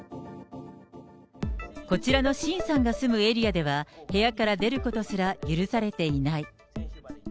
こちらの秦さんが住むエリアでは、部屋から出ることすら許されていない。